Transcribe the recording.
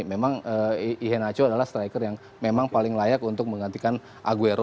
memang ihenaco adalah striker yang memang paling layak untuk menggantikan aguero